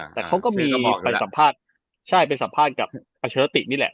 แต่เขาก็มีไปสัมภาษณ์ใช่ไปสัมภาษณ์กับอัชรตินี่แหละ